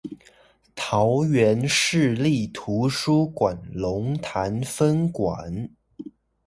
桃園市立圖書館龍潭分館